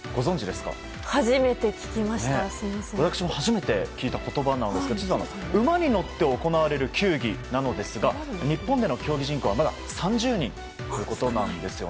私も初めて聞いた言葉なんですけど実は、馬に乗って行われる球技なのですが日本での競技人口はまだ３０人ということなんです。